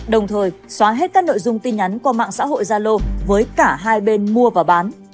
đồng thời xóa hết các nội dung tin nhắn qua mạng xã hội gia lô với cả hai bên mua và bán